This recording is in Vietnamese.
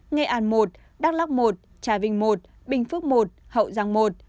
nghệ an một đắk lóc một trà vinh một bình phước một hậu giang một